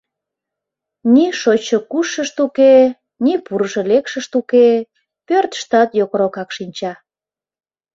Ни шочшо-кушшышт уке, ни пурышо-лекшышт уке, пӧртыштат йокрокак шинча.